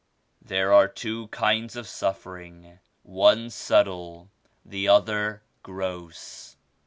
"There are two kinds of suffering, one subtle, the other gross.